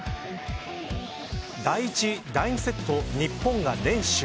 第１、第２セットと日本が連取。